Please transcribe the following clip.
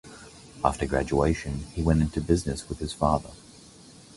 After graduation, he went into business with his father.